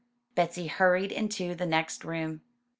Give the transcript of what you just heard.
Betsy hurried into the next room.